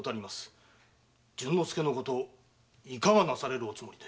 順之助のこといかがなされるおつもりで？